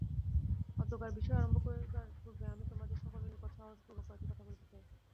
অদ্যকার বিষয় আরম্ভ করিবার পূর্বে আমি তোমাদের সকলের নিকট সাহসপূর্বক কয়েকটি কথা বলিতে চাই।